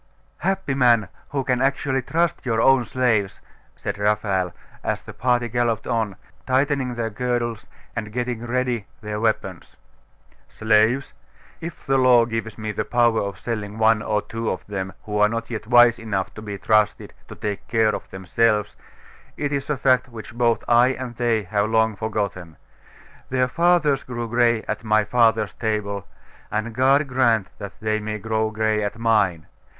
'Happy man, who can actually trust your own slaves!' said Raphael, as the party galloped on, tightening their girdles and getting ready their weapons. 'Slaves? If the law gives me the power of selling one or two of them who are not yet wise enough to be trusted to take care of themselves, it is a fact which both I and they have long forgotten. Their fathers grew gray at my father's table, and God grant that they may grow gray at mine!